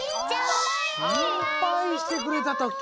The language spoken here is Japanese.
しんぱいしてくれたとき。